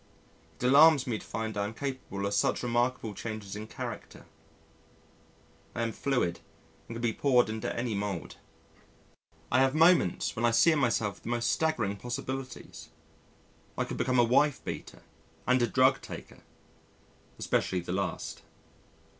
It alarms me to find I am capable of such remarkable changes in character. I am fluid and can be poured into any mould. I have moments when I see in myself the most staggering possibilities. I could become a wife beater, and a drug taker (especially the last).